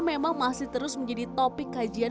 memang masih terus menjadi topik kajian